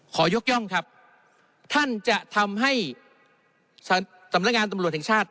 ขอยกย่องครับท่านจะทำให้สำนักงานตำรวจแห่งชาติ